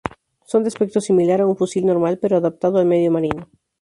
Son de aspecto similar a un fusil normal pero adaptado al medio marino.